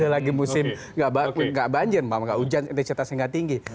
lagi musim nggak banjir hujan intensitasnya nggak tinggi